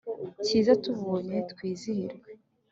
Cyiza tubonye twizihiwe